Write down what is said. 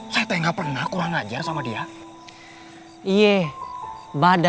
gimana aku bisa kiam lewat burnout mewaisin minta